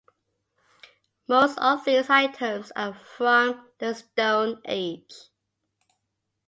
Most of these items are from the Stone Age.